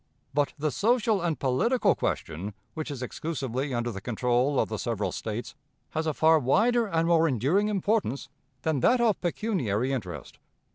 But the social and political question which is exclusively under the control of the several States has a far wider and more enduring importance than that of pecuniary interest.